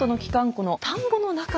この田んぼの中に。